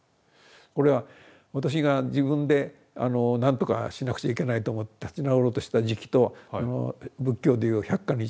これは私が自分で何とかしなくちゃいけないと思って立ち直ろうとしてた時期と仏教で言う百箇日